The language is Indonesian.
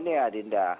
jadi begini arinda